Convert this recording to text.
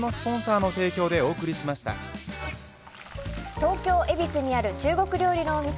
東京・恵比寿にある中国料理のお店